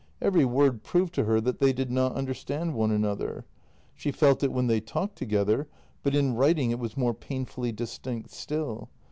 Even' word proved to her that they did not understand one another; she felt it when they talked together, but in writing it w'as more painfully distinct still.